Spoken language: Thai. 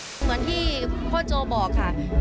เหมือนที่พ่อโจบอกค่ะ